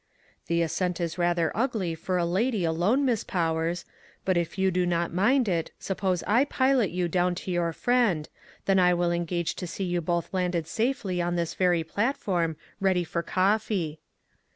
" The ascent is rather ugly for a lady alone, Miss Powers ; but if you do not mind it, suppose I pilot you down to your friend, then I will engage to see you both landed safety on this very platform ready for cof fee."